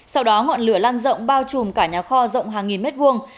sau đó ngọn lửa lan rộng bao trùm cả nhà kho rộng hàng nghìn mét vuông